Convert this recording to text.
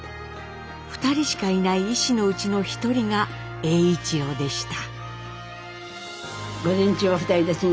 ２人しかいない医師のうちの１人が栄一郎でした。